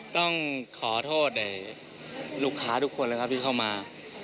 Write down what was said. ต้องขอโทษลูกค้าทุกคนนะครับที่เข้ามา